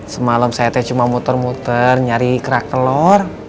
semalam saya teh cuma muter muter nyari kerak telur